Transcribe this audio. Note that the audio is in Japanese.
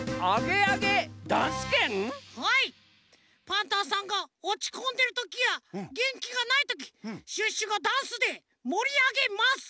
パンタンさんがおちこんでるときやげんきがないときシュッシュがダンスでもりあげます。